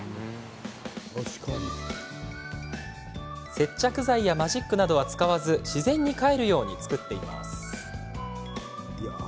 接着剤やマジックなどは使わず自然に返るように作っています。